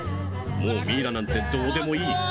「もうミイラなんてどうでもいいと」